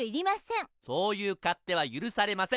そういう勝手はゆるされません。